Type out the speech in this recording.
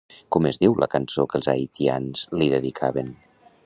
Com es diu la cançó que els haitians li dedicaven?